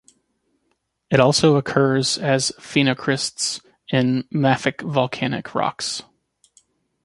It also occurs as phenocrysts in mafic volcanic rocks.